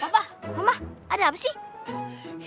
papa mama ada apa sih